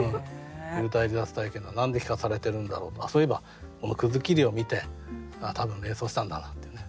幽体離脱体験を何で聞かされてるんだろうとかそういえばこの切りを見て多分連想したんだなっていうね。